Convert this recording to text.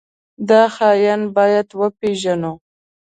دا خاين بايد وپېژنو.